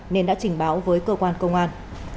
nên đã trình báo với cơ quan công an